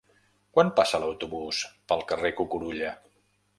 Quan passa l'autobús pel carrer Cucurulla?